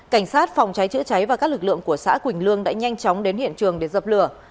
cảnh sát phòng cháy chữa cháy và các lực lượng của xã quỳnh lương đã nhanh chóng đến hiện trường để dập lửa